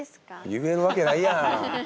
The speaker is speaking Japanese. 言えるわけないやん。